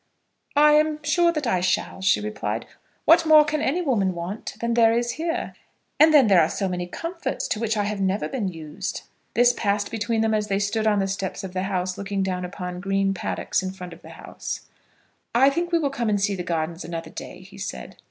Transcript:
"I am sure that I shall," she replied. "What more can any woman want than there is here? And then there are so many comforts to which I have never been used." This passed between them as they stood on the steps of the house, looking down upon green paddocks in front of the house; "I think we will come and see the gardens another day," he said.